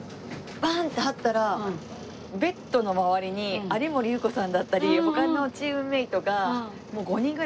バーン！って入ったらベッドの周りに有森裕子さんだったり他のチームメートがもう５人ぐらいいらっしゃってて。